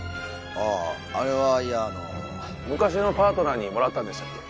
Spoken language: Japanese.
あああれはいやあの昔のパートナーにもらったんでしたっけ？